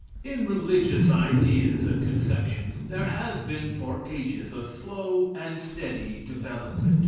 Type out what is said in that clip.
In religious ideas and conceptions there has been for ages a slow and steady development.